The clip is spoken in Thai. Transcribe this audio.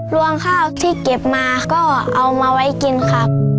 วงข้าวที่เก็บมาก็เอามาไว้กินครับ